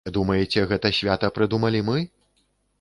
Думаеце, гэта свята прыдумалі мы?